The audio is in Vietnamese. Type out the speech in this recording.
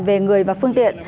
về người và phương tiện